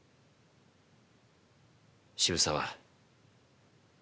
渋沢